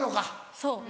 そう！